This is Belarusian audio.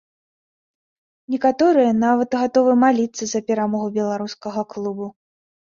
Некаторыя нават гатовы маліцца за перамогу беларускага клубу.